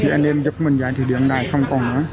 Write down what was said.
thì anh em giúp mình ra thì điện đài không còn nữa